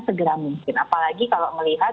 segera mungkin apalagi kalau melihat